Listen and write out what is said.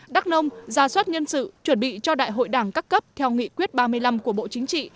đắk nông ra soát nhân sự chuẩn bị cho đại hội đảng các cấp theo nghị quyết ba mươi năm của bộ chính trị